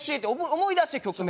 思い出して曲名。